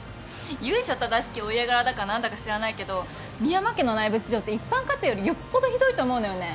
由緒正しきお家柄だか何だか知らないけど深山家の内部事情って一般家庭よりよっぽどひどいと思うのよね。